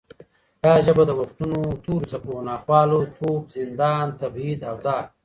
دا ژبه د وختونو تورو څپو، ناخوالو، توپ، زندان، تبعید او دار